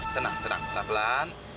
tenang tenang pelan pelan